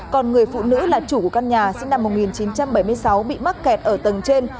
còn người phụ nữ là chủ của căn nhà sinh năm một nghìn chín trăm bảy mươi sáu bị mắc kẹt ở tầng trên